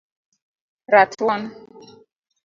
ratuon